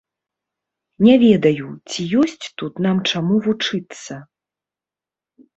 Не ведаю, ці ёсць тут нам чаму вучыцца.